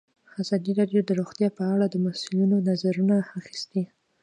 ازادي راډیو د روغتیا په اړه د مسؤلینو نظرونه اخیستي.